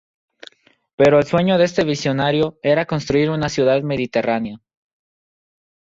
Pero el sueño de este visionario era construir una ciudad mediterránea.